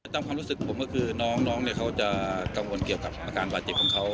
ตามความรู้สึกผมก็คือน้องเขาจะกังวลเกี่ยวกับอาการบาดเจ็บของเขา